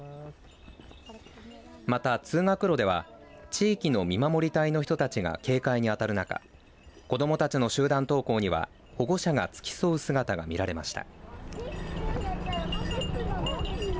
また、通学路では地域の見守り隊の人たちが警戒にあたる中子どもたちの集団登校には保護者が付き添う姿が見られました。